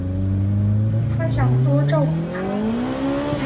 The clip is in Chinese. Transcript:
她想多照顾她